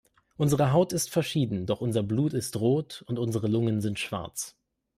Unsere Haut ist verschieden, doch unser Blut ist rot und unsere Lungen sind schwarz.